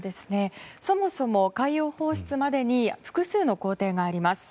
そもそも海洋放出までに複数の工程があります。